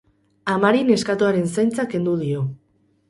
Amari neskatoaren zaintza kendu dio.